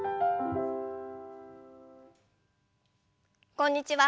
こんにちは。